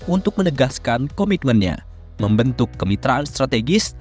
untuk menegaskan komitmennya membentuk kemitraan strategis